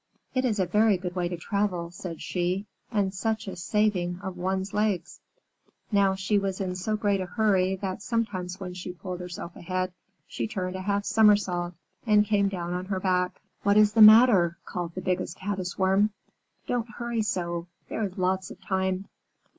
"It is a very good way to travel," said she, "and such a saving of one's legs." Now she was in so great a hurry that sometimes when she pulled herself ahead, she turned a half somersault and came down on her back. "What is the matter?" called the Biggest Caddis Worm. "Don't hurry so. There is lots of time."